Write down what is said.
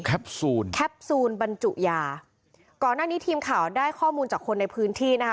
แคปซูลบรรจุยาก่อนหน้านี้ทีมข่าวได้ข้อมูลจากคนในพื้นที่นะคะ